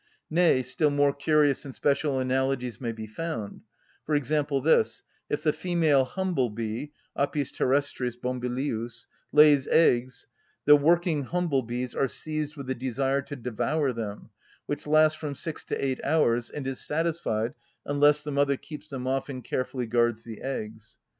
Nay, still more curious and special analogies may be found; for example, this: if the female humble‐bee (Apis terrestris, bombylius) lays eggs, the working humble‐bees are seized with a desire to devour them, which lasts from six to eight hours and is satisfied unless the mother keeps them off and carefully guards the eggs.